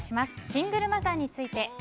シングルマザーについて。